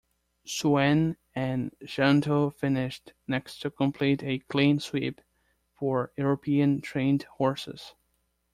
Swain and Shantou finished next to complete a "clean sweep" for European-trained horses.